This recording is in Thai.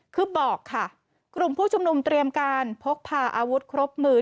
คือบอกค่ะกลุ่มผู้ชุมนุมเตรียมการพกพาอาวุธครบมือ